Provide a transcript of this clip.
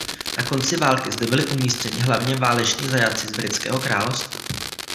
Na konci války zde byli umístěni hlavně váleční zajatci z britského království.